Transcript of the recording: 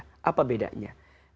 yang murni mutlak ketetapan allah